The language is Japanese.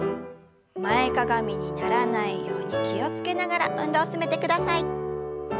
前かがみにならないように気を付けながら運動を進めてください。